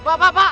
pak pak pak